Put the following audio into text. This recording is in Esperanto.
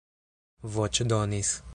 voĉdonis